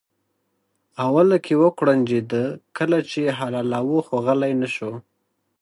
اوله کې وکوړنجېده کله چې یې حلالاوه خو غلی نه شو.